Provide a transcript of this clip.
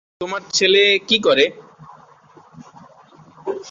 তোমার ছেলে কি করে?